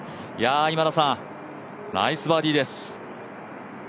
今田さん、ナイスバーディーです。